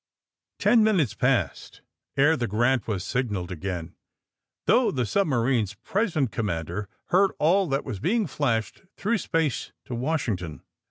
Ten minutes passed ere the /^ Grant" was sig naled again, though the submarine's present commander heard all that was being flashed through space to Washington.